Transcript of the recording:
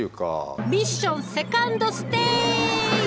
ミッションセカンドステージ！